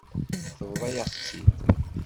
Tebḍa-yaɣ-tt-id.